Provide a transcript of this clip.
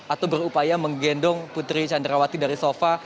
atau berupaya menggendong putri candrawati dari sofa